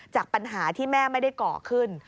จากปัญหาที่แม่ไม่ได้ก่อขึ้น